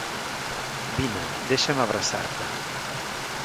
Vine, deixa'm abraçar-te!